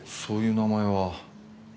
そういう名前は。